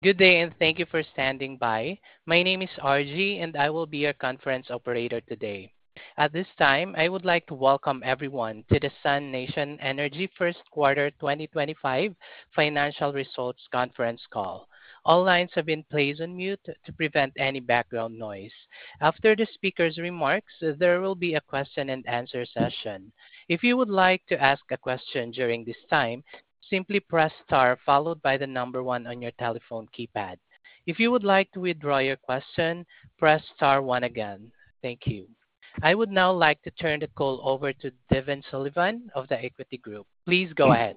Good day, and thank you for standing by. My name is Arji, and I will be your conference operator today. At this time, I would like to welcome everyone to the SUNation Energy First Quarter 2025 Financial Results Conference Call. All lines have been placed on mute to prevent any background noise. After the speaker's remarks, there will be a question-and-answer session. If you would like to ask a question during this time, simply press star followed by the number one on your telephone keypad. If you would like to withdraw your question, press star one again. Thank you. I would now like to turn the call over to Devin Sullivan of Equity Group. Please go ahead.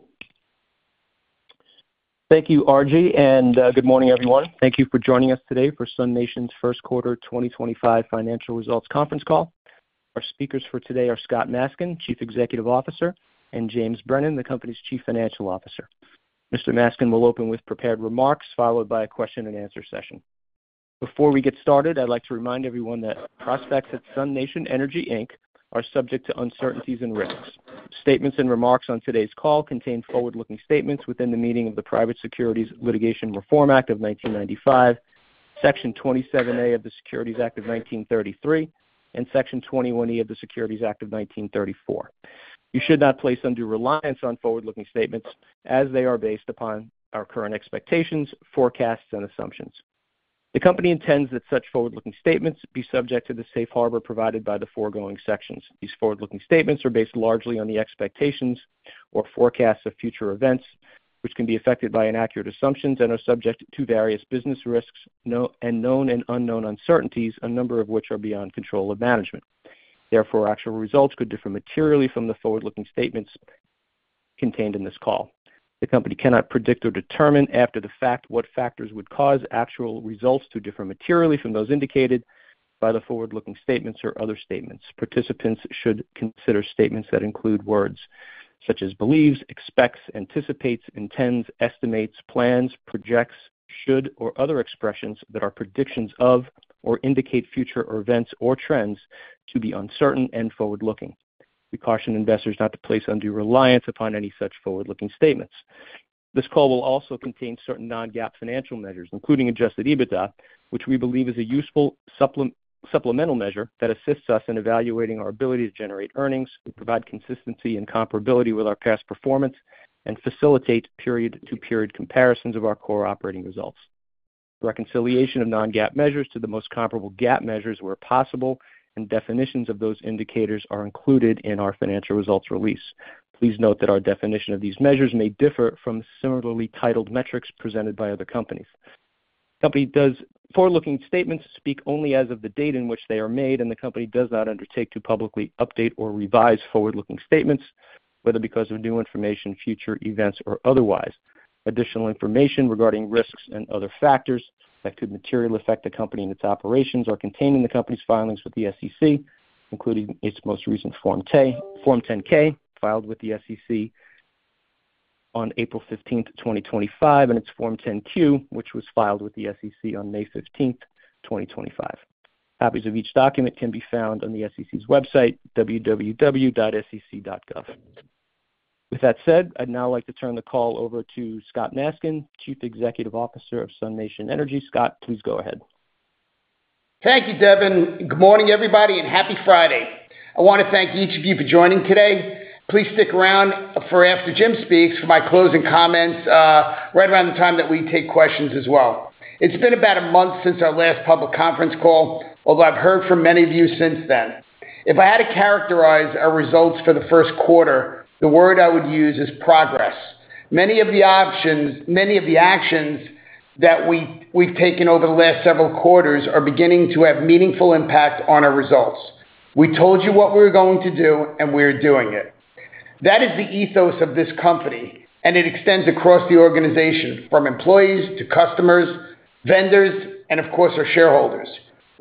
Thank you, Arji, and good morning, everyone. Thank you for joining us today for SUNation's First Quarter 2025 Financial Results Conference Call. Our speakers for today are Scott Maskin, Chief Executive Officer, and James Brennan, the company's Chief Financial Officer. Mr. Maskin will open with prepared remarks followed by a question-and-answer session. Before we get started, I'd like to remind everyone that prospects at SUNation Energy Inc are subject to uncertainties and risks. Statements and remarks on today's call contain forward-looking statements within the meaning of the Private Securities Litigation Reform Act of 1995, Section 27A of the Securities Act of 1933, and Section 21E of the Securities Act of 1934. You should not place undue reliance on forward-looking statements as they are based upon our current expectations, forecasts, and assumptions. The company intends that such forward-looking statements be subject to the safe harbor provided by the foregoing sections. These forward-looking statements are based largely on the expectations or forecasts of future events, which can be affected by inaccurate assumptions and are subject to various business risks and known and unknown uncertainties, a number of which are beyond control of management. Therefore, actual results could differ materially from the forward-looking statements contained in this call. The company cannot predict or determine after the fact what factors would cause actual results to differ materially from those indicated by the forward-looking statements or other statements. Participants should consider statements that include words such as believes, expects, anticipates, intends, estimates, plans, projects, should, or other expressions that are predictions of or indicate future events or trends to be uncertain and forward-looking. We caution investors not to place undue reliance upon any such forward-looking statements. This call will also contain certain non-GAAP financial measures, including adjusted EBITDA, which we believe is a useful supplemental measure that assists us in evaluating our ability to generate earnings, provide consistency and comparability with our past performance, and facilitate period-to-period comparisons of our core operating results. Reconciliation of non-GAAP measures to the most comparable GAAP measures where possible and definitions of those indicators are included in our financial results release. Please note that our definition of these measures may differ from similarly titled metrics presented by other companies. The company’s forward-looking statements speak only as of the date in which they are made, and the company does not undertake to publicly update or revise forward-looking statements, whether because of new information, future events, or otherwise. Additional information regarding risks and other factors that could materially affect the company and its operations are contained in the company's filings with the SEC, including its most recent Form 10-K filed with the SEC on April 15th, 2025, and its Form 10-Q, which was filed with the SEC on May 15, 2025. Copies of each document can be found on the SEC's website, www.sec.gov. With that said, I'd now like to turn the call over to Scott Maskin, Chief Executive Officer of SUNation Energy. Scott, please go ahead. Thank you, Devin. Good morning, everybody, and happy Friday. I want to thank each of you for joining today. Please stick around for after Jim speaks for my closing comments right around the time that we take questions as well. It's been about a month since our last public conference call, although I've heard from many of you since then. If I had to characterize our results for the first quarter, the word I would use is progress. Many of the actions that we've taken over the last several quarters are beginning to have meaningful impact on our results. We told you what we were going to do, and we are doing it. That is the ethos of this company, and it extends across the organization from employees to customers, vendors, and of course, our shareholders.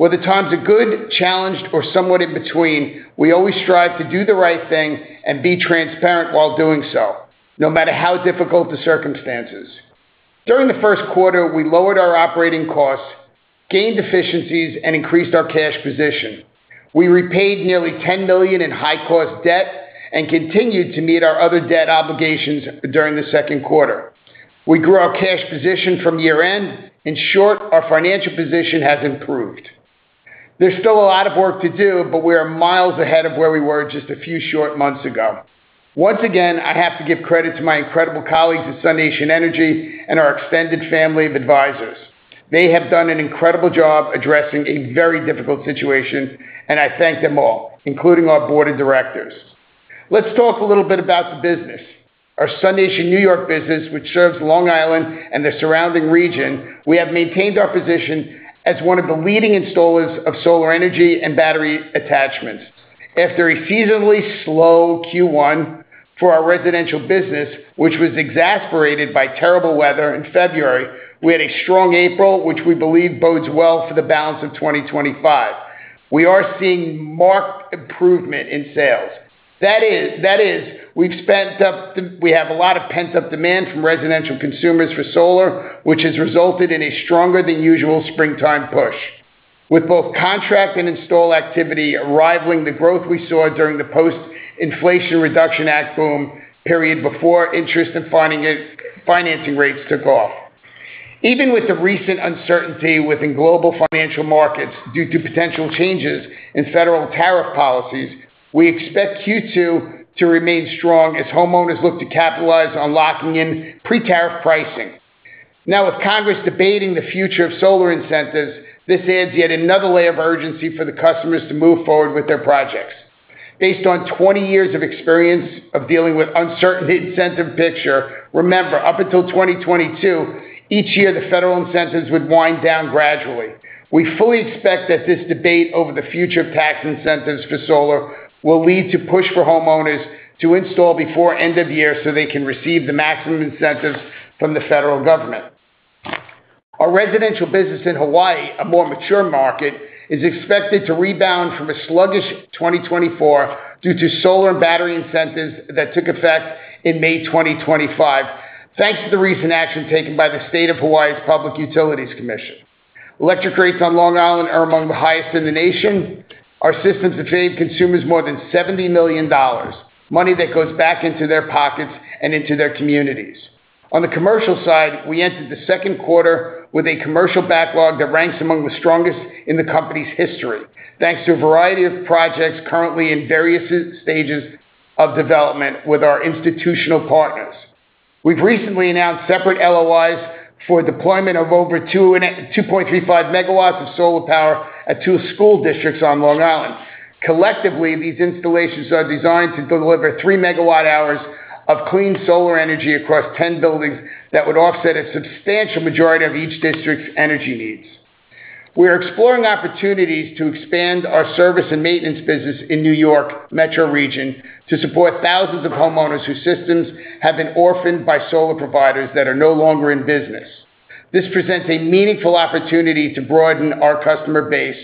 Whether times are good, challenged, or somewhat in between, we always strive to do the right thing and be transparent while doing so, no matter how difficult the circumstances. During the first quarter, we lowered our operating costs, gained efficiencies, and increased our cash position. We repaid nearly $10 million in high-cost debt and continued to meet our other debt obligations during the second quarter. We grew our cash position from year-end. In short, our financial position has improved. There is still a lot of work to do, but we are miles ahead of where we were just a few short months ago. Once again, I have to give credit to my incredible colleagues at SUNation Energy and our extended family of advisors. They have done an incredible job addressing a very difficult situation, and I thank them all, including our board of directors. Let's talk a little bit about the business. Our SUNation New York business, which serves Long Island and the surrounding region, we have maintained our position as one of the leading installers of solar energy and battery attachments. After a seasonally slow Q1 for our residential business, which was exacerbated by terrible weather in February, we had a strong April, which we believe bodes well for the balance of 2025. We are seeing marked improvement in sales. That is, we have a lot of pent-up demand from residential consumers for solar, which has resulted in a stronger-than-usual springtime push, with both contract and install activity rivaling the growth we saw during the post-Inflation Reduction Act boom period before interest in financing rates took off. Even with the recent uncertainty within global financial markets due to potential changes in federal tariff policies, we expect Q2 to remain strong as homeowners look to capitalize on locking in pre-tariff pricing. Now, with Congress debating the future of solar incentives, this adds yet another layer of urgency for the customers to move forward with their projects. Based on 20 years of experience of dealing with uncertain incentive picture, remember, up until 2022, each year the federal incentives would wind down gradually. We fully expect that this debate over the future of tax incentives for solar will lead to push for homeowners to install before end of year so they can receive the maximum incentives from the federal government. Our residential business in Hawaii, a more mature market, is expected to rebound from a sluggish 2024 due to solar and battery incentives that took effect in May 2025, thanks to the recent action taken by the State of Hawaii's Public Utilities Commission. Electric rates on Long Island are among the highest in the nation. Our systems have saved consumers more than $70 million, money that goes back into their pockets and into their communities. On the commercial side, we entered the second quarter with a commercial backlog that ranks among the strongest in the company's history, thanks to a variety of projects currently in various stages of development with our institutional partners. We've recently announced separate LOIs for deployment of over 2.35 MW of solar power at two school districts on Long Island. Collectively, these installations are designed to deliver 3 MW hours of clean solar energy across 10 buildings that would offset a substantial majority of each district's energy needs. We are exploring opportunities to expand our service and maintenance business in New York Metro Region to support thousands of homeowners whose systems have been orphaned by solar providers that are no longer in business. This presents a meaningful opportunity to broaden our customer base,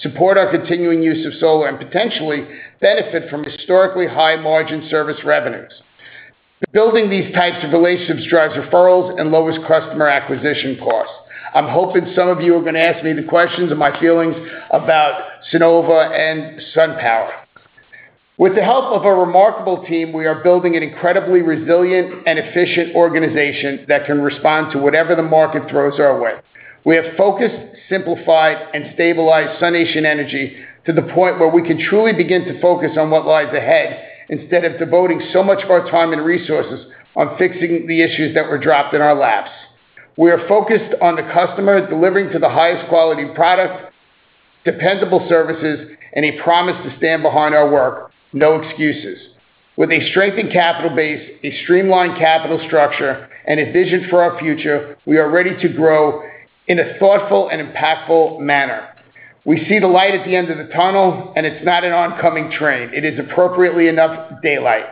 support our continuing use of solar, and potentially benefit from historically high-margin service revenues. Building these types of relationships drives referrals and lowers customer acquisition costs. I'm hoping some of you are going to ask me the questions of my feelings about Sunnova and SunPower. With the help of a remarkable team, we are building an incredibly resilient and efficient organization that can respond to whatever the market throws our way. We have focused, simplified, and stabilized SUNation Energy to the point where we can truly begin to focus on what lies ahead instead of devoting so much of our time and resources on fixing the issues that were dropped in our laps. We are focused on the customer, delivering the highest quality product, dependable services, and a promise to stand behind our work, no excuses. With a strengthened capital base, a streamlined capital structure, and a vision for our future, we are ready to grow in a thoughtful and impactful manner. We see the light at the end of the tunnel, and it is not an oncoming train. It is, appropriately enough, daylight.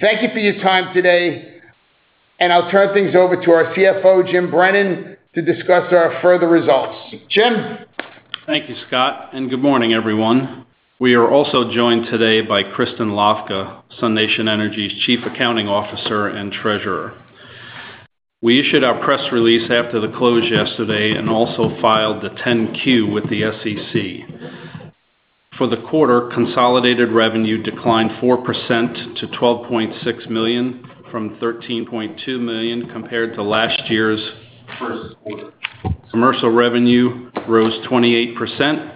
Thank you for your time today, and I will turn things over to our CFO, Jim Brennan, to discuss our further results. Jim. Thank you, Scott, and good morning, everyone. We are also joined today by Kristin Hlavka, SUNation Energy's Chief Accounting Officer and Treasurer. We issued our press release after the close yesterday and also filed the 10-Q with the SEC. For the quarter, consolidated revenue declined 4% to $12.6 million from $13.2 million compared to last year's. Commercial revenue rose 28%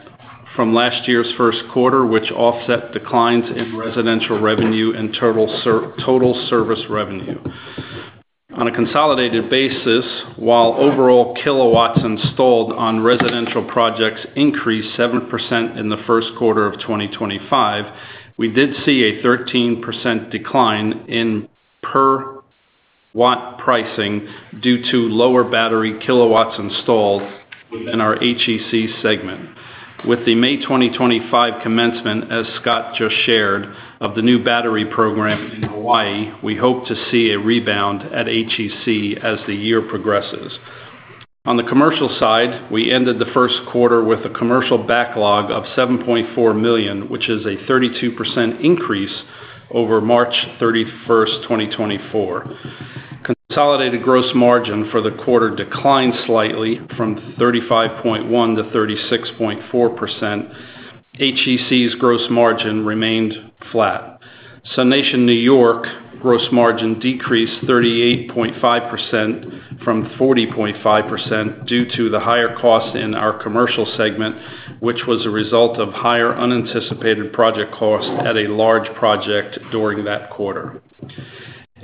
from last year's first quarter, which offset declines in residential revenue and total service revenue. On a consolidated basis, while overall kilowatts installed on residential projects increased 7% in the first quarter of 2025, we did see a 13% decline in per-watt pricing due to lower battery kilowatts installed within our HEC segment. With the May 2025 commencement, as Scott just shared, of the new battery program in Hawaii, we hope to see a rebound at HEC as the year progresses. On the commercial side, we ended the first quarter with a commercial backlog of $7.4 million, which is a 32% increase over March 31st, 2024. Consolidated gross margin for the quarter declined slightly from 35.1% to 36.4%. HEC's gross margin remained flat. SUNation New York gross margin decreased 38.5% from 40.5% due to the higher cost in our commercial segment, which was a result of higher unanticipated project cost at a large project during that quarter.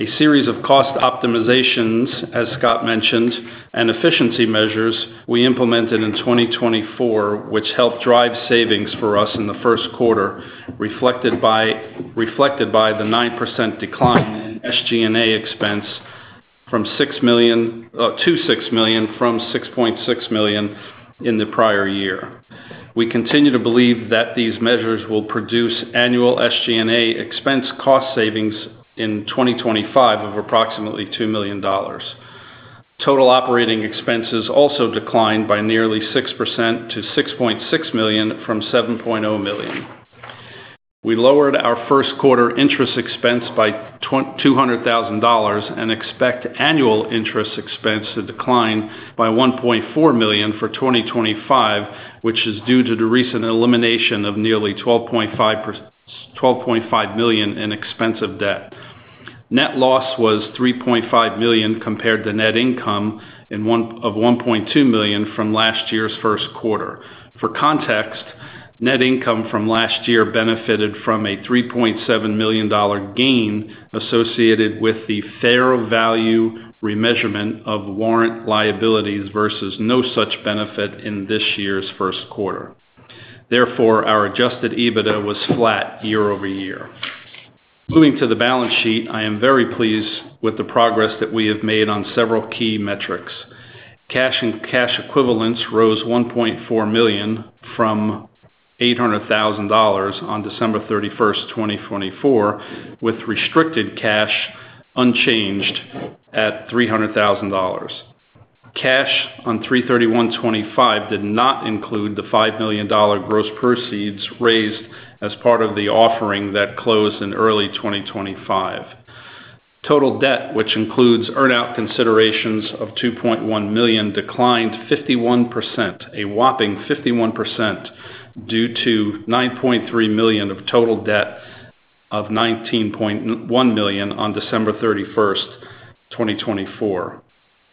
A series of cost optimizations, as Scott mentioned, and efficiency measures we implemented in 2024, which helped drive savings for us in the first quarter, reflected by the 9% decline in SG&A expense from $6 million, to $6 million from $6.6 million in the prior year. We continue to believe that these measures will produce annual SG&A expense cost savings in 2025 of approximately $2 million. Total operating expenses also declined by nearly 6% to $6.6 million from $7.0 million. We lowered our first quarter interest expense by $200,000 and expect annual interest expense to decline by $1.4 million for 2025, which is due to the recent elimination of nearly $12.5 million in expensive debt. Net loss was $3.5 million compared to net income of $1.2 million from last year's first quarter. For context, net income from last year benefited from a $3.7 million gain associated with the fair value remeasurement of warrant liabilities versus no such benefit in this year's first quarter. Therefore, our adjusted EBITDA was flat year over year. Moving to the balance sheet, I am very pleased with the progress that we have made on several key metrics. Cash and cash equivalents rose $1.4 million from $800,000 on December 31st, 2024, with restricted cash unchanged at $300,000. Cash on 3/31/25 did not include the $5 million gross proceeds raised as part of the offering that closed in early 2025. Total debt, which includes earn-out considerations of $2.1 million, declined 51%, a whopping 51%, due to $9.3 million of total debt of $19.1 million on December 31st, 2024.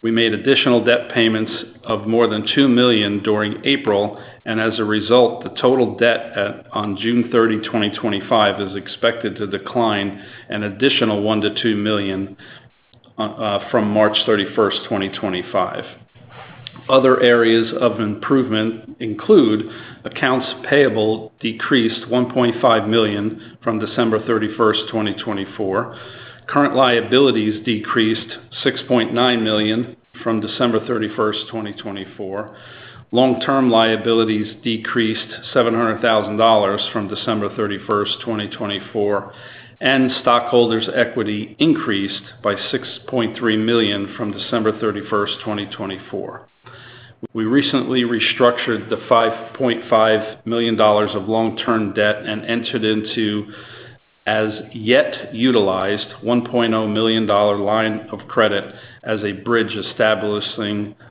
We made additional debt payments of more than $2 million during April, and as a result, the total debt on June 30, 2025, is expected to decline an additional $1 million-$2 million from March 31st, 2025. Other areas of improvement include accounts payable decreased $1.5 million from December 31, 2024. Current liabilities decreased $6.9 million from December 31, 2024. Long-term liabilities decreased $700,000 from December 31, 2024, and stockholders' equity increased by $6.3 million from December 31, 2024. We recently restructured the $5.5 million of long-term debt and entered into as yet utilized $1.0 million line of credit as a bridge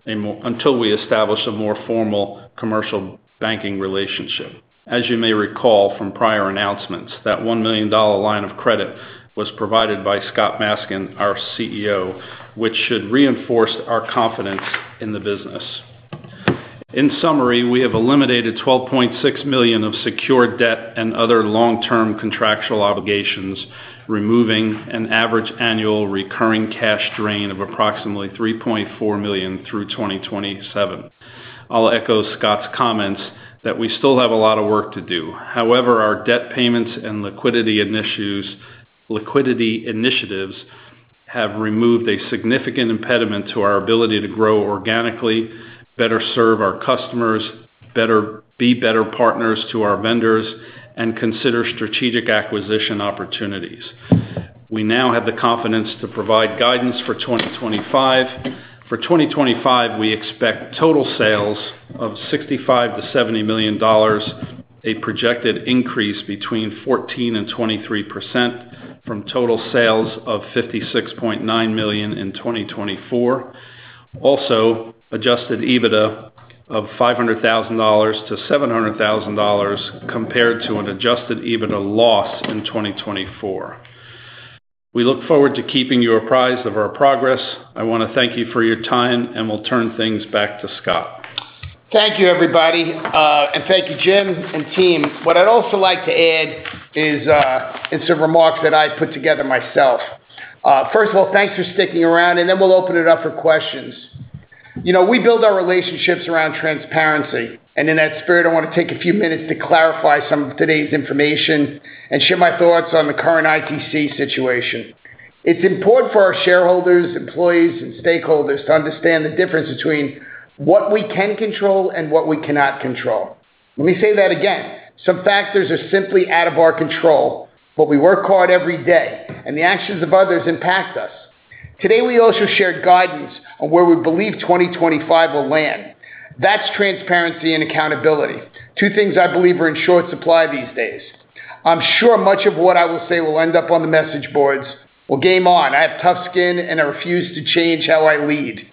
until we establish a more formal commercial banking relationship. As you may recall from prior announcements, that $1 million line of credit was provided by Scott Maskin, our CEO, which should reinforce our confidence in the business. In summary, we have eliminated $12.6 million of secured debt and other long-term contractual obligations, removing an average annual recurring cash drain of approximately $3.4 million through 2027. I'll echo Scott's comments that we still have a lot of work to do. However, our debt payments and liquidity initiatives have removed a significant impediment to our ability to grow organically, better serve our customers, be better partners to our vendors, and consider strategic acquisition opportunities. We now have the confidence to provide guidance for 2025. For 2025, we expect total sales of $65 million-$70 million, a projected increase between 14% and 23% from total sales of $56.9 million in 2024. Also, adjusted EBITDA of $500,000-$700,000 compared to an adjusted EBITDA loss in 2024. We look forward to keeping you apprised of our progress. I want to thank you for your time, and we'll turn things back to Scott. Thank you, everybody, and thank you, Jim and team. What I'd also like to add is some remarks that I put together myself. First of all, thanks for sticking around, and then we'll open it up for questions. We build our relationships around transparency, and in that spirit, I want to take a few minutes to clarify some of today's information and share my thoughts on the current ITC situation. It's important for our shareholders, employees, and stakeholders to understand the difference between what we can control and what we cannot control. Let me say that again. Some factors are simply out of our control, but we work hard every day, and the actions of others impact us. Today, we also shared guidance on where we believe 2025 will land. That's transparency and accountability, two things I believe are in short supply these days. I'm sure much of what I will say will end up on the message boards. Game on. I have tough skin, and I refuse to change how I lead.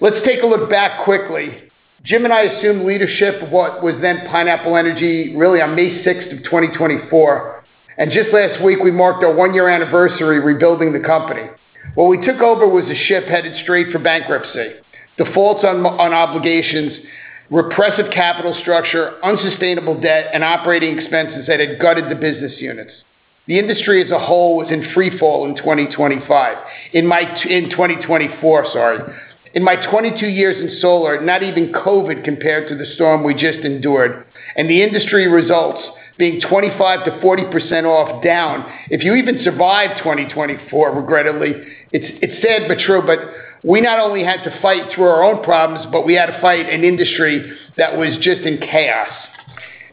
Let's take a look back quickly. Jim and I assumed leadership of what was then Pineapple Energy really on May 6h, 2024, and just last week, we marked our one-year anniversary rebuilding the company. What we took over was a ship headed straight for bankruptcy, defaults on obligations, repressive capital structure, unsustainable debt, and operating expenses that had gutted the business units. The industry as a whole was in freefall in 2024. In my 22 years in solar, not even COVID compared to the storm we just endured, and the industry results being 25%-40% off down. If you even survive 2024, regrettably, it's sad but true, but we not only had to fight through our own problems, but we had to fight an industry that was just in chaos.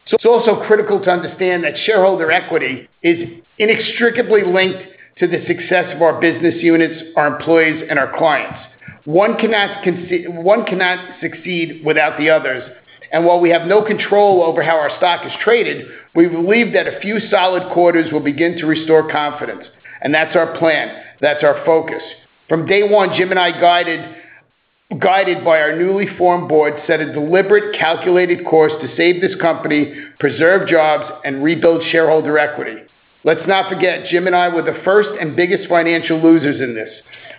It is also critical to understand that shareholder equity is inextricably linked to the success of our business units, our employees, and our clients. One cannot succeed without the others, and while we have no control over how our stock is traded, we believe that a few solid quarters will begin to restore confidence, and that's our plan. That's our focus. From day one, Jim and I, guided by our newly formed board, set a deliberate, calculated course to save this company, preserve jobs, and rebuild shareholder equity. Let's not forget, Jim and I were the first and biggest financial losers in this.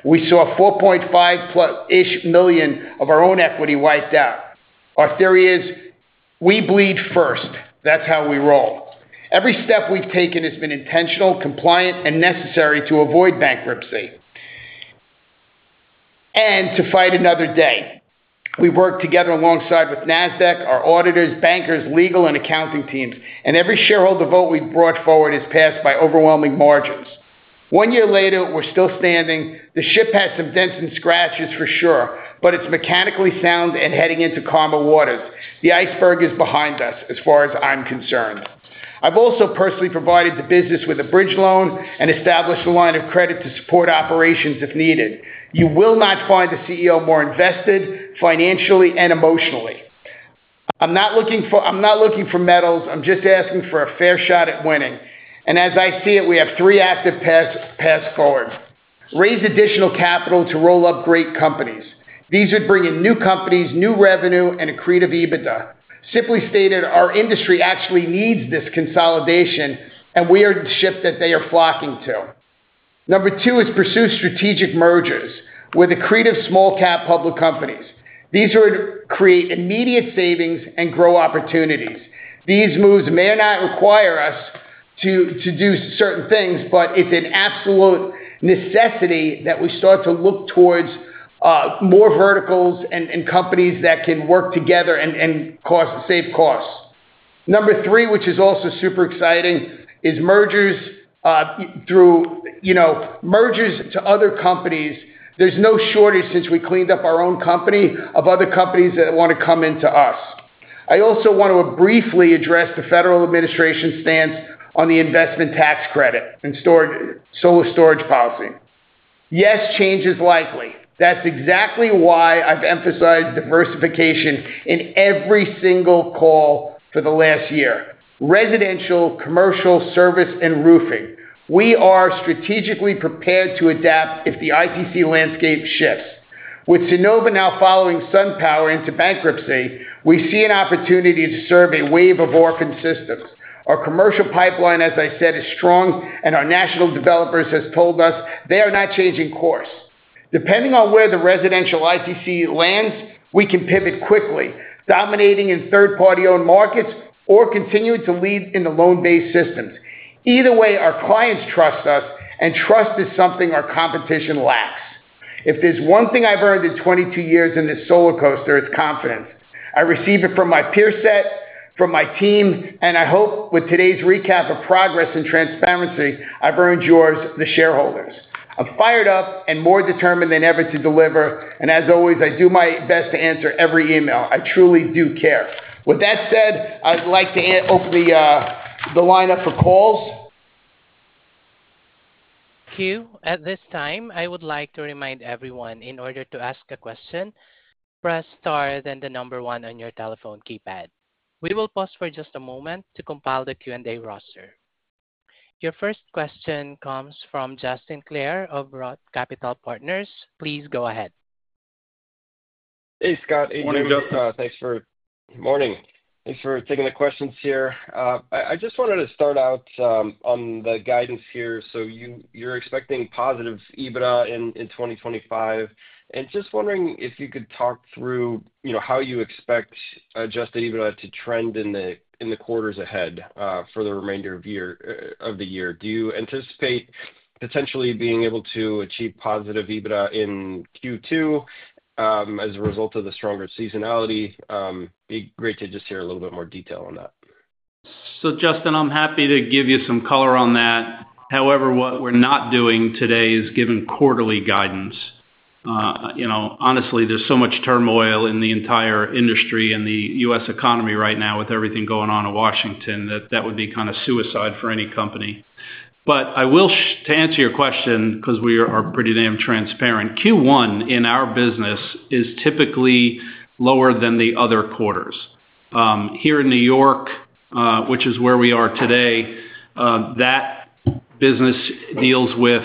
We saw $4.5 million of our own equity wiped out. Our theory is we bleed first. That's how we roll. Every step we've taken has been intentional, compliant, and necessary to avoid bankruptcy and to fight another day. We've worked together alongside with Nasdaq, our auditors, bankers, legal, and accounting teams, and every shareholder vote we've brought forward has passed by overwhelming margins. One year later, we're still standing. The ship had some dents and scratches, for sure, but it's mechanically sound and heading into calmer waters. The iceberg is behind us, as far as I'm concerned. I've also personally provided the business with a bridge loan and established a line of credit to support operations if needed. You will not find the CEO more invested financially and emotionally. I'm not looking for medals. I'm just asking for a fair shot at winning. As I see it, we have three active paths forward. Raise additional capital to roll up great companies. These would bring in new companies, new revenue, and accretive EBITDA. Simply stated, our industry actually needs this consolidation, and we are the ship that they are flocking to. Number two is pursue strategic mergers with accretive small-cap public companies. These are to create immediate savings and grow opportunities. These moves may not require us to do certain things, but it's an absolute necessity that we start to look towards more verticals and companies that can work together and save costs. Number three, which is also super exciting, is mergers through mergers to other companies. There's no shortage since we cleaned up our own company of other companies that want to come into us. I also want to briefly address the federal administration's stance on the Investment Tax Credit and solar storage policy. Yes, change is likely. That's exactly why I've emphasized diversification in every single call for the last year. Residential, commercial, service, and roofing. We are strategically prepared to adapt if the ITC landscape shifts. With Sunnova now following SunPower into bankruptcy, we see an opportunity to serve a wave of orphan systems. Our commercial pipeline, as I said, is strong, and our national developers have told us they are not changing course. Depending on where the residential ITC lands, we can pivot quickly, dominating in third-party-owned markets or continue to lead in the loan-based systems. Either way, our clients trust us, and trust is something our competition lacks. If there's one thing I've earned in 22 years in this roller coaster, it's confidence. I receive it from my peer set, from my team, and I hope with today's recap of progress and transparency, I've earned yours, the shareholders. I'm fired up and more determined than ever to deliver, and as always, I do my best to answer every email. I truly do care. With that said, I'd like to open the lineup for calls. Thank you. At this time, I would like to remind everyone in order to ask a question, press star then the number one on your telephone keypad. We will pause for just a moment to compile the Q&A roster. Your first question comes from Justin Clare of ROTH Capital Partners. Please go ahead. Hey, Scott. Morning, Good morning. Thanks for taking the questions here. I just wanted to start out on the guidance here. So you're expecting positive EBITDA in 2025. And just wondering if you could talk through how you expect adjusted EBITDA to trend in the quarters ahead for the remainder of the year. Do you anticipate potentially being able to achieve positive EBITDA in Q2 as a result of the stronger seasonality? It'd be great to just hear a little bit more detail on that. Justin, I'm happy to give you some color on that. However, what we're not doing today is giving quarterly guidance. Honestly, there's so much turmoil in the entire industry and the U.S. economy right now with everything going on in Washington that that would be kind of suicide for any company. I will, to answer your question, because we are pretty damn transparent, Q1 in our business is typically lower than the other quarters. Here in New York, which is where we are today, that business deals with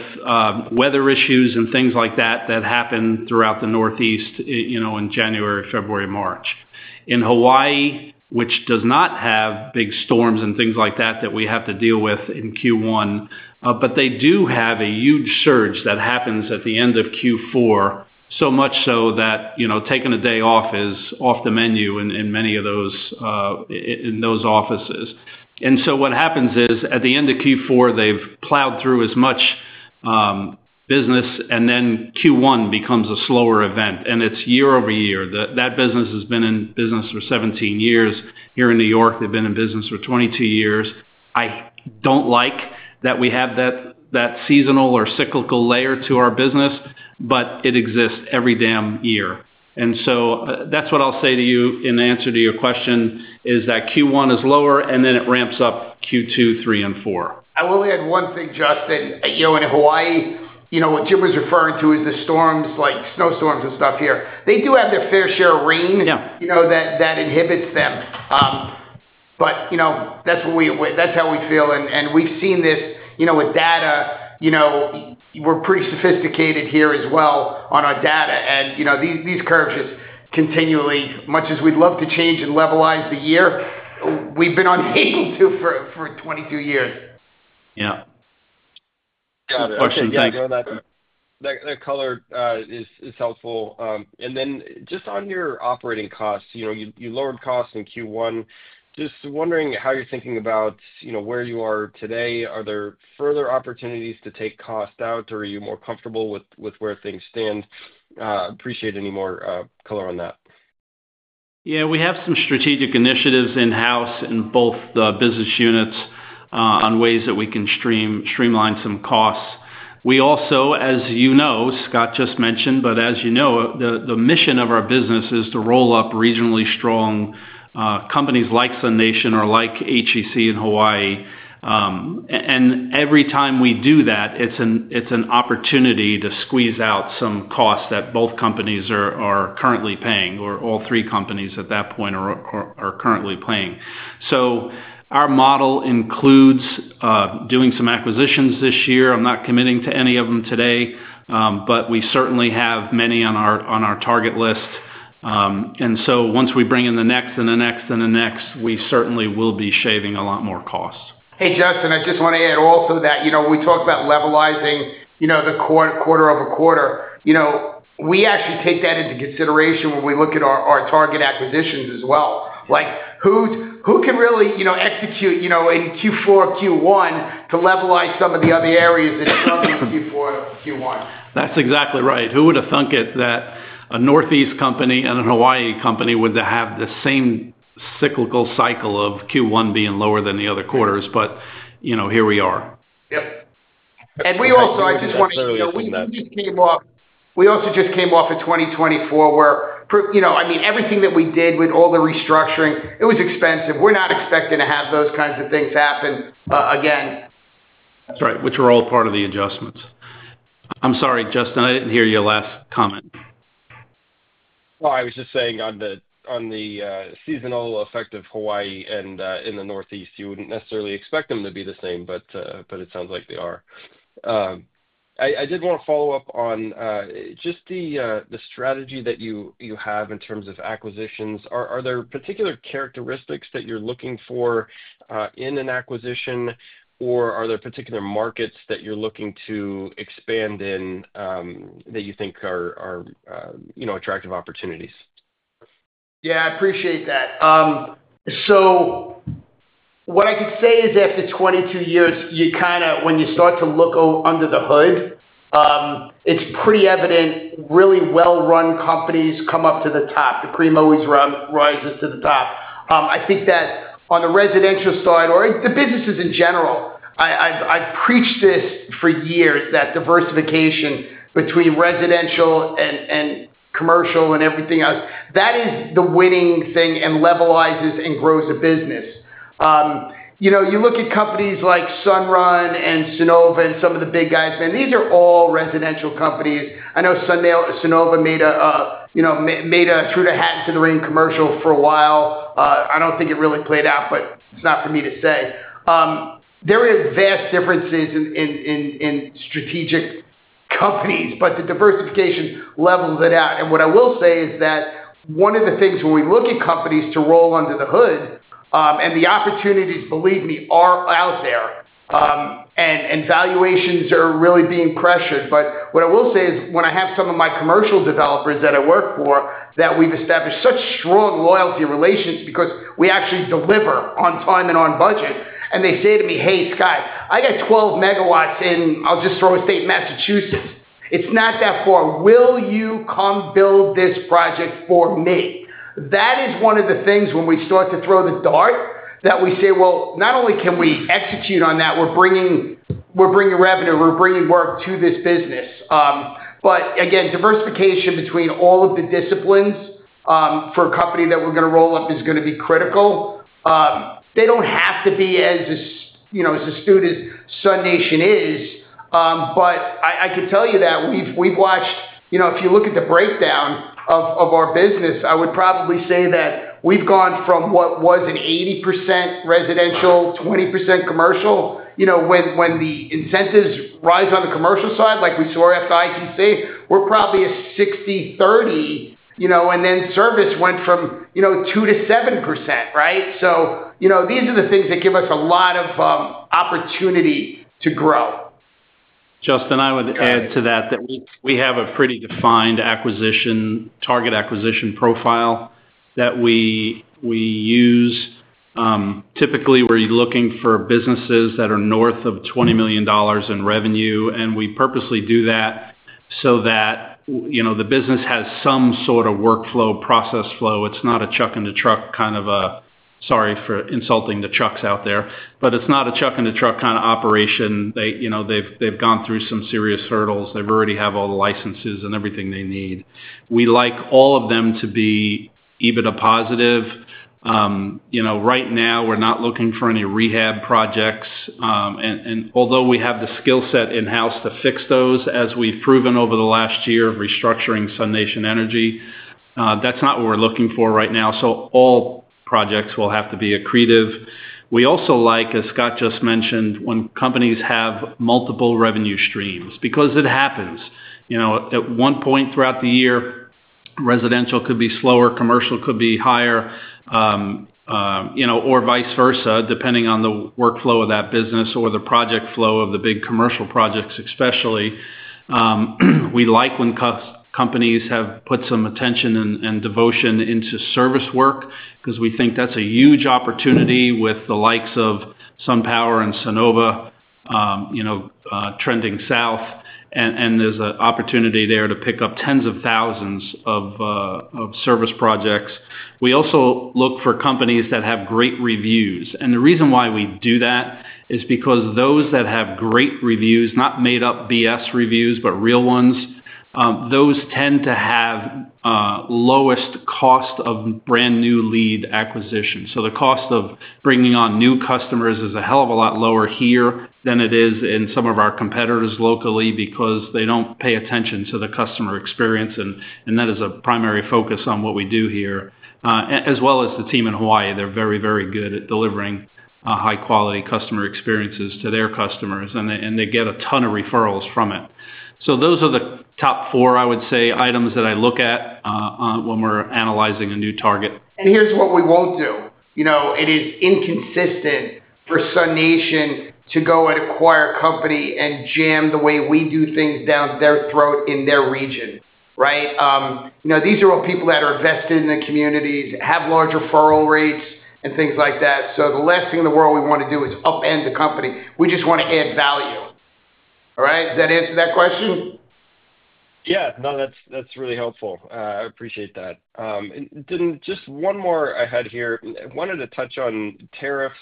weather issues and things like that that happen throughout the Northeast in January, February, March. In Hawaii, which does not have big storms and things like that that we have to deal with in Q1, but they do have a huge surge that happens at the end of Q4, so much so that taking a day off is off the menu in many of those offices. What happens is at the end of Q4, they've plowed through as much business, and then Q1 becomes a slower event. It is year over year. That business has been in business for 17 years. Here in New York, they've been in business for 22 years. I do not like that we have that seasonal or cyclical layer to our business, but it exists every damn year. That is what I'll say to you in answer to your question, is that Q1 is lower, and then it ramps up Q2, three, and four. I will add one thing, Justin. In Hawaii, what Jim was referring to is the storms, like snowstorms and stuff here. They do have their fair share of rain that inhibits them. That is how we feel. We have seen this with data. We are pretty sophisticated here as well on our data. These curves just continually, much as we would love to change and levelize the year, we have been unable to for 22 years. Yeah. Got it. Question. Thanks. Yeah, no, that color is helpful. Just on your operating costs, you lowered costs in Q1. Just wondering how you're thinking about where you are today. Are there further opportunities to take costs out, or are you more comfortable with where things stand? Appreciate any more color on that. Yeah, we have some strategic initiatives in-house in both the business units on ways that we can streamline some costs. We also, as you know, Scott just mentioned, but as you know, the mission of our business is to roll up regionally strong companies like SUNation or like HEC in Hawaii. Every time we do that, it's an opportunity to squeeze out some costs that both companies are currently paying or all three companies at that point are currently paying. Our model includes doing some acquisitions this year. I'm not committing to any of them today, but we certainly have many on our target list. Once we bring in the next and the next and the next, we certainly will be shaving a lot more costs. Hey, Justin, I just want to add also that we talked about levelizing the quarter over quarter. We actually take that into consideration when we look at our target acquisitions as well. Who can really execute in Q4, Q1 to levelize some of the other areas that are stronger in Q4, Q1? That's exactly right. Who would have thunk it that a Northeast company and a Hawaii company would have the same cyclical cycle of Q1 being lower than the other quarters, but here we are. Yep. We also, I just want to say, we just came off. We also just came off in 2024 where, I mean, everything that we did with all the restructuring, it was expensive. We're not expecting to have those kinds of things happen again. That's right, which were all part of the adjustments. I'm sorry, Justin, I didn't hear your last comment. Oh, I was just saying on the seasonal effect of Hawaii and in the Northeast, you would not necessarily expect them to be the same, but it sounds like they are. I did want to follow up on just the strategy that you have in terms of acquisitions. Are there particular characteristics that you are looking for in an acquisition, or are there particular markets that you are looking to expand in that you think are attractive opportunities? Yeah, I appreciate that. What I can say is after 22 years, when you start to look under the hood, it's pretty evident really well-run companies come up to the top. The cream always rises to the top. I think that on the residential side or the businesses in general, I've preached this for years, that diversification between residential and commercial and everything else, that is the winning thing and levelizes and grows a business. You look at companies like Sunrun and Sunnova and some of the big guys, and these are all residential companies. I know Sunnova made a through the hat into the rain commercial for a while. I don't think it really played out, but it's not for me to say. There are vast differences in strategic companies, but the diversification levels it out. What I will say is that one of the things when we look at companies to roll under the hood, and the opportunities, believe me, are out there, and valuations are really being pressured. What I will say is when I have some of my commercial developers that I work for, that we've established such strong loyalty relations because we actually deliver on time and on budget. They say to me, "Hey, Scott, I got 12 MW in, I'll just throw a state in Massachusetts. It's not that far. Will you come build this project for me?" That is one of the things when we start to throw the dart that we say, "Well, not only can we execute on that, we're bringing revenue. We're bringing work to this business." Again, diversification between all of the disciplines for a company that we're going to roll up is going to be critical. They don't have to be as astute as SUNation is, but I can tell you that we've watched, if you look at the breakdown of our business, I would probably say that we've gone from what was an 80% residential, 20% commercial. When the incentives rise on the commercial side, like we saw after ITC, we're probably a 60/30, and then service went from 2% to 7%, right? These are the things that give us a lot of opportunity to grow. Justin, I would add to that that we have a pretty defined acquisition target acquisition profile that we use. Typically, we're looking for businesses that are north of $20 million in revenue, and we purposely do that so that the business has some sort of workflow, process flow. It's not a chuck-in-the-truck kind of a—sorry for insulting the trucks out there—but it's not a chuck-in-the-truck kind of operation. They've gone through some serious hurdles. They've already had all the licenses and everything they need. We like all of them to be EBITDA positive. Right now, we're not looking for any rehab projects. Although we have the skill set in-house to fix those, as we've proven over the last year of restructuring Pineapple Energy, that's not what we're looking for right now. All projects will have to be accretive. We also like, as Scott just mentioned, when companies have multiple revenue streams because it happens. At one point throughout the year, residential could be slower, commercial could be higher, or vice versa, depending on the workflow of that business or the project flow of the big commercial projects especially. We like when companies have put some attention and devotion into service work because we think that's a huge opportunity with the likes of SunPower and Sunnova trending south. There is an opportunity there to pick up tens of thousands of service projects. We also look for companies that have great reviews. The reason why we do that is because those that have great reviews, not made-up BS reviews, but real ones, those tend to have lowest cost of brand new lead acquisition. The cost of bringing on new customers is a hell of a lot lower here than it is in some of our competitors locally because they do not pay attention to the customer experience. That is a primary focus on what we do here. As well as the team in Hawaii, they are very, very good at delivering high-quality customer experiences to their customers, and they get a ton of referrals from it. Those are the top four, I would say, items that I look at when we are analyzing a new target. Here's what we won't do. It is inconsistent for SUNation to go and acquire a company and jam the way we do things down their throat in their region, right? These are all people that are invested in the communities, have large referral rates, and things like that. The last thing in the world we want to do is upend the company. We just want to add value. All right? Does that answer that question? Yeah. No, that's really helpful. I appreciate that. Just one more I had here. I wanted to touch on tariffs,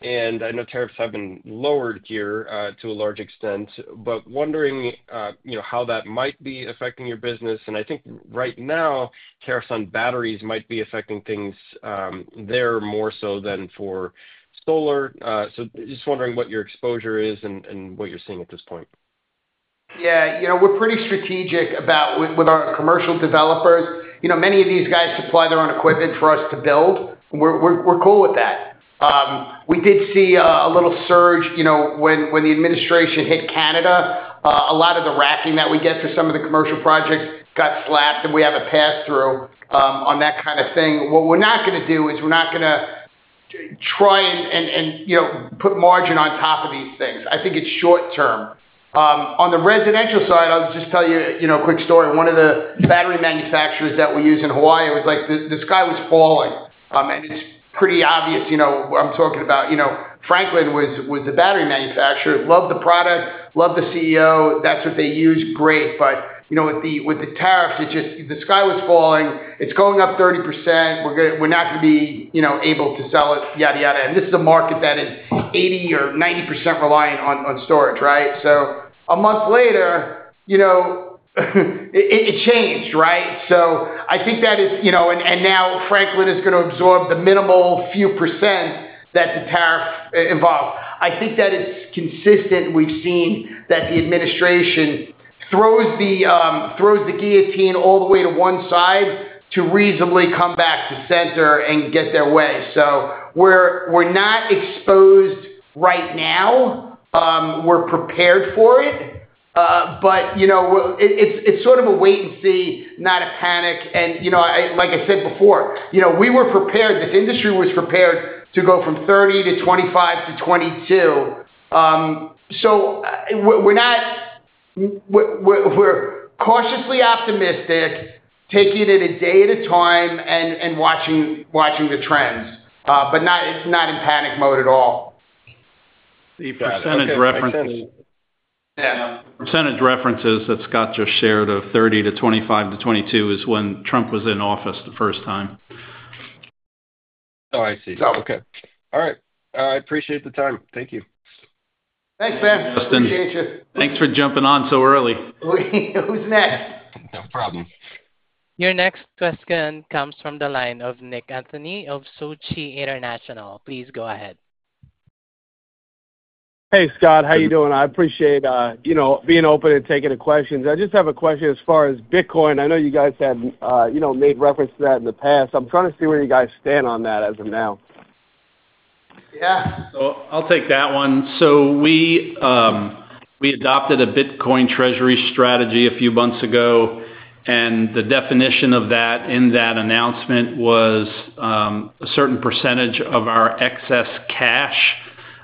and I know tariffs have been lowered here to a large extent, but wondering how that might be affecting your business. I think right now, tariffs on batteries might be affecting things there more so than for solar. Just wondering what your exposure is and what you're seeing at this point. Yeah. We're pretty strategic with our commercial developers. Many of these guys supply their own equipment for us to build. We're cool with that. We did see a little surge when the administration hit Canada. A lot of the racking that we get for some of the commercial projects got slapped, and we have a pass-through on that kind of thing. What we're not going to do is we're not going to try and put margin on top of these things. I think it's short-term. On the residential side, I'll just tell you a quick story. One of the battery manufacturers that we use in Hawaii was like this sky was falling, and it's pretty obvious. I'm talking about Franklin was the battery manufacturer. Loved the product, loved the CEO. That's what they use. Great. But with the tariffs, it's just the sky was falling. It's going up 30%. We're not going to be able to sell it, yada, yada. This is a market that is 80%-90% reliant on storage, right? A month later, it changed, right? I think that is—and now Franklin is going to absorb the minimal few percent that the tariff involved. I think that it's consistent. We've seen that the administration throws the guillotine all the way to one side to reasonably come back to center and get their way. We're not exposed right now. We're prepared for it, but it's sort of a wait and see, not a panic. Like I said before, we were prepared. This industry was prepared to go from 30% to 25% to 22%. We're cautiously optimistic, taking it a day at a time and watching the trends, but not in panic mode at all. The percentage references. Yeah. Percentage references that Scott just shared of 30% to 25% to 22% is when Trump was in office the first time. Oh, I see. Oh, okay. All right. I appreciate the time. Thank you. Thanks, man. Justin. Appreciate you. Thanks for jumping on so early. Who's next? No problem. Your next question comes from the line of Nick Anthony of Sochi International. Please go ahead. Hey, Scott. How are you doing? I appreciate being open and taking the questions. I just have a question as far as Bitcoin. I know you guys had made reference to that in the past. I'm trying to see where you guys stand on that as of now. Yeah. I'll take that one. We adopted a Bitcoin treasury strategy a few months ago, and the definition of that in that announcement was a certain percentage of our excess cash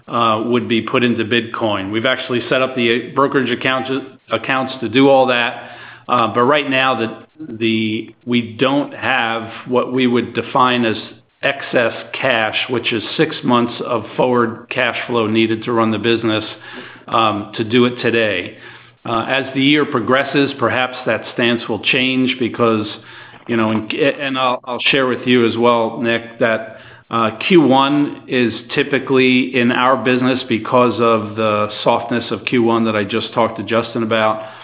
would be put into Bitcoin. We've actually set up the brokerage accounts to do all that, but right now, we don't have what we would define as excess cash, which is six months of forward cash flow needed to run the business to do it today. As the year progresses, perhaps that stance will change because—I will share with you as well, Nick, that Q1 is typically in our business, because of the softness of Q1 that I just talked to Justin about.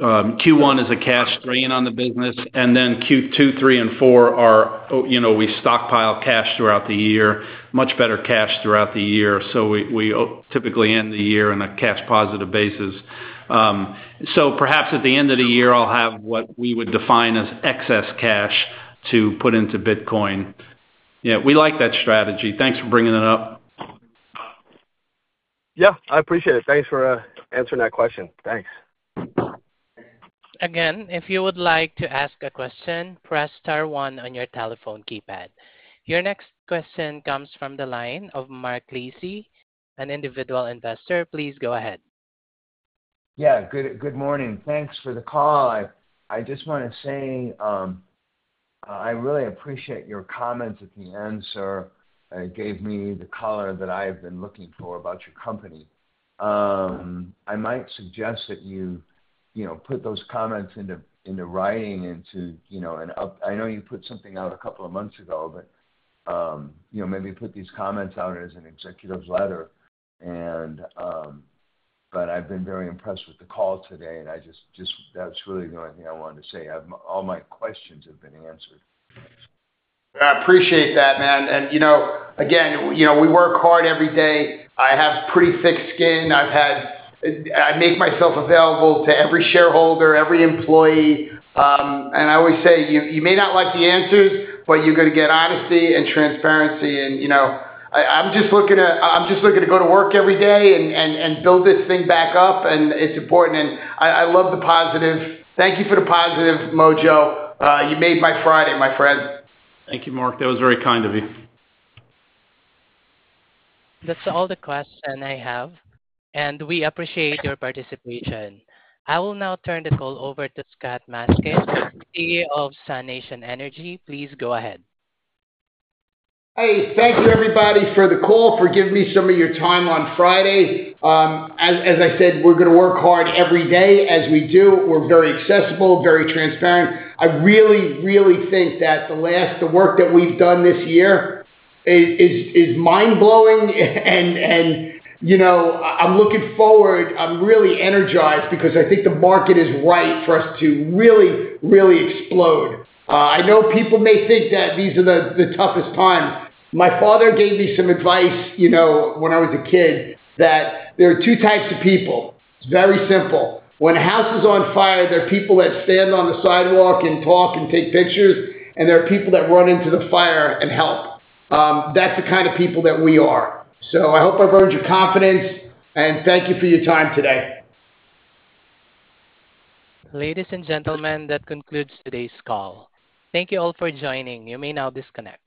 Q1 is a cash drain on the business, and then Q2, three, and four are when we stockpile cash throughout the year, much better cash throughout the year. We typically end the year on a cash-positive basis. Perhaps at the end of the year, I'll have what we would define as excess cash to put into Bitcoin. Yeah. We like that strategy. Thanks for bringing it up. Yeah. I appreciate it. Thanks for answering that question. Thanks. Again, if you would like to ask a question, press star one on your telephone keypad. Your next question comes from the line of Mark Lacy, an individual investor. Please go ahead. Yeah. Good morning. Thanks for the call. I just want to say I really appreciate your comments at the end, sir. It gave me the color that I have been looking for about your company. I might suggest that you put those comments into writing into an—I know you put something out a couple of months ago, but maybe put these comments out as an executive letter. I have been very impressed with the call today, and that is really the only thing I wanted to say. All my questions have been answered. I appreciate that, man. Again, we work hard every day. I have pretty thick skin. I make myself available to every shareholder, every employee. I always say, you may not like the answers, but you're going to get honesty and transparency. I'm just looking to go to work every day and build this thing back up, and it's important. I love the positive. Thank you for the positive, Mojo. You made my Friday, my friend. Thank you, Mark. That was very kind of you. That's all the questions I have, and we appreciate your participation. I will now turn the call over to Scott Maskin, CEO of SUNation Energy. Please go ahead. Hey. Thank you, everybody, for the call. Forgive me some of your time on Friday. As I said, we're going to work hard every day. As we do, we're very accessible, very transparent. I really, really think that the work that we've done this year is mind-blowing. I'm looking forward. I'm really energized because I think the market is right for us to really, really explode. I know people may think that these are the toughest times. My father gave me some advice when I was a kid that there are two types of people. It's very simple. When a house is on fire, there are people that stand on the sidewalk and talk and take pictures, and there are people that run into the fire and help. That's the kind of people that we are. I hope I've earned your confidence, and thank you for your time today. Ladies and gentlemen, that concludes today's call. Thank you all for joining. You may now disconnect.